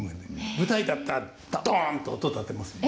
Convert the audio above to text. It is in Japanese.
舞台だったら「ドン」と音立てますよね。